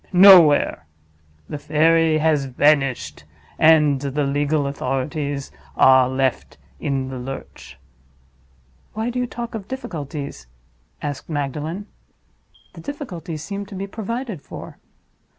Nowhere. The fairy has vanished; and the legal authorities are left in the lurch." "Why do you talk of difficulties?" asked Magdalen. "The difficulties seem to be provided for."